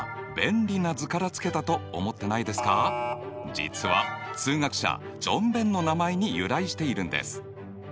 実は数学者ジョン・ベンの名前に由来しているんです。